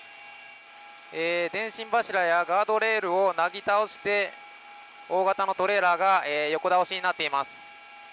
電信柱やガードレールをなぎ倒して大型のトレーラーが横倒しになっています。